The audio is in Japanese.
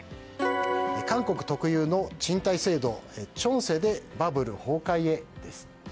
韓国特有の賃貸制度チョンセでバブル崩壊へ、です。